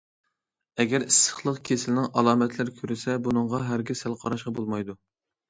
ئەگەر ئىسسىقلىق كېسىلىنىڭ ئالامەتلىرى كۆرۈلسە، بۇنىڭغا ھەرگىز سەل قاراشقا بولمايدۇ.